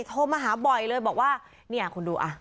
โทรมาหาบ่อยเลยบอกว่าเนี่ยคุณดูอ่ะ